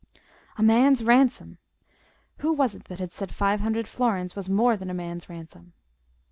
"A man's ransom!"—who was it that had said five hundred florins was more than a man's ransom?